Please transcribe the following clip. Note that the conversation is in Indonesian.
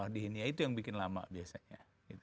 di hindia itu yang bikin lama biasanya